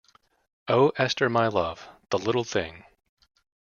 Oh, Esther, my love, the little thing!